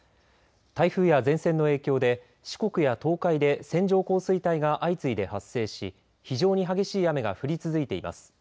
台風や前線の影響で四国や東海で線状降水帯が相次いで発生し非常に激しい雨が降り続いています。